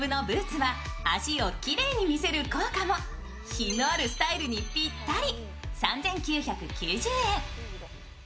品のあるスタイルにぴったり。